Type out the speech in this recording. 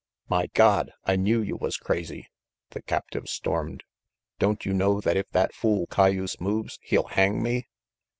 "My God, I knew you was crazy!" the captive stormed. "Don't you know that if that fool cayuse moves, he'll hang me?"